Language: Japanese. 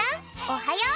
おはよう！